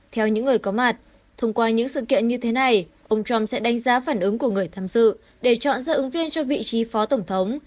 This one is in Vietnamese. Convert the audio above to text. theo những người có mặt thông qua những sự kiện như thế này ông trump sẽ đánh giá phản ứng của người tham dự để chọn ra ứng viên cho vị trí phó tổng thống